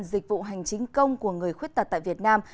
dịch vụ hành chính công của người khuyết tật tại việt nam